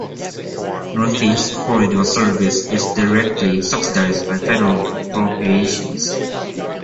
Northeast Corridor service is directly subsidized by federal appropriations.